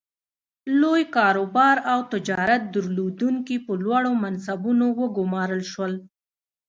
لوی کاروبار او تجارت درلودونکي په لوړو منصبونو وګومارل شول.